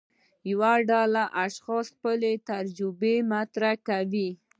یوه ډله اشخاص خپلې تجربې مطرح کوي.